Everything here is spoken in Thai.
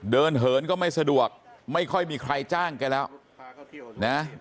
เหินก็ไม่สะดวกไม่ค่อยมีใครจ้างแกแล้วนะ